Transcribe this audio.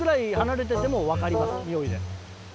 においで。